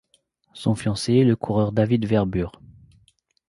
Son fiancé est le coureur David Verburg.